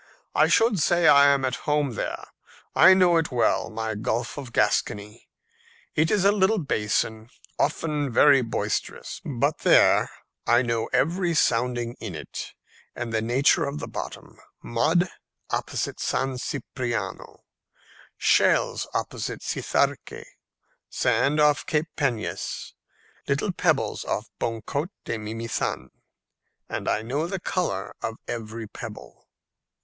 I should say I am at home there. I know it well, my Gulf of Gascony. It is a little basin, often very boisterous; but there, I know every sounding in it and the nature of the bottom mud opposite San Cipriano, shells opposite Cizarque, sand off Cape Peñas, little pebbles off Boncaut de Mimizan, and I know the colour of every pebble."